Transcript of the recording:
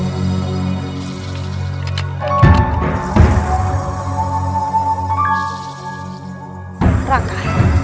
tolonglah jaga kanda prabu siliwangi